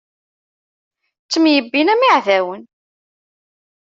Ttemyebbin am iɛdawen.